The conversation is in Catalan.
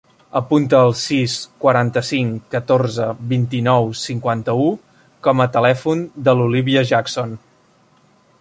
Apunta el sis, quaranta-cinc, catorze, vint-i-nou, cinquanta-u com a telèfon de l'Olívia Jackson.